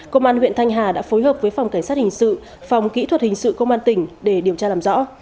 công an huyện thanh hà đã phối hợp với phòng cảnh sát hình sự phòng kỹ thuật hình sự công an tỉnh để điều tra làm rõ